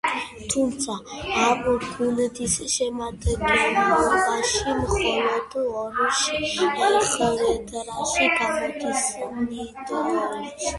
თუმცა, ამ გუნდის შემადგენლობაში მხოლოდ ორ შეხვედრაში გამოდის მინდორზე.